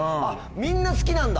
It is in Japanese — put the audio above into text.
みんな好きなんだ。